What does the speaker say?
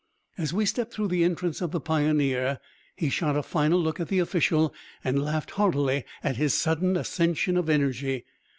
As we stepped through the entrance of the Pioneer, he shot a final look at the official and laughed heartily at his sudden accession of energy.